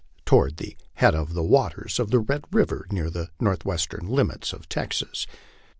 towards the head waters of Red river, near the northwestern limits of Texas.